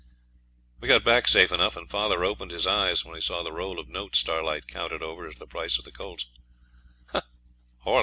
..... We got back safe enough, and father opened his eyes when he saw the roll of notes Starlight counted over as the price of the colts.